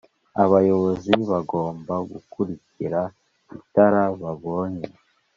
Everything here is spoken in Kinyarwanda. abayobozi bagomba gukurikira itara babonye